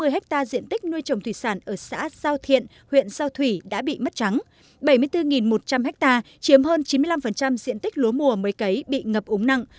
một mươi hectare diện tích nuôi trồng thủy sản ở xã giao thiện huyện sao thủy đã bị mất trắng bảy mươi bốn một trăm linh ha chiếm hơn chín mươi năm diện tích lúa mùa mới cấy bị ngập úng nặng